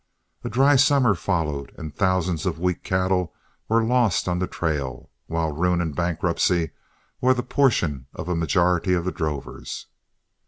A dry summer followed, and thousands of weak cattle were lost on the trail, while ruin and bankruptcy were the portion of a majority of the drovers.